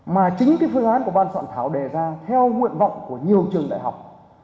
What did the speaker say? mà chính cái phương án của ban soạn thảo đề ra theo nguyện vọng của nhiều trường đại học